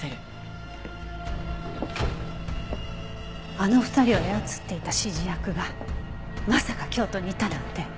あの２人を操っていた指示役がまさか京都にいたなんて。